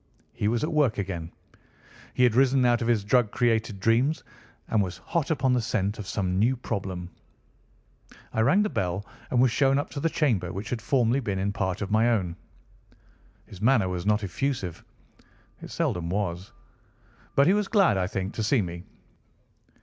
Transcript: He was at work again. He had risen out of his drug created dreams and was hot upon the scent of some new problem. I rang the bell and was shown up to the chamber which had formerly been in part my own. His manner was not effusive. It seldom was; but he was glad, I think, to see me.